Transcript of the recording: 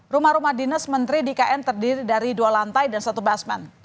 rumah rumah dinas menteri di kn terdiri dari dua lantai dan satu basman